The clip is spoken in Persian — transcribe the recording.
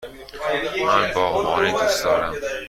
من باغبانی دوست دارم.